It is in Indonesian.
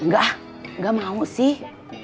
gak gak mau sih